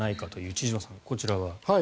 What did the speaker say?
千々岩さん、こちらは。